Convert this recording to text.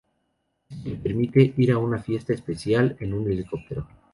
Esto le permite ir a una fiesta especial, en un helicóptero.